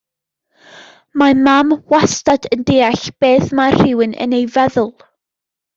Mae mam wastad yn deall beth mae rhywun yn ei feddwl.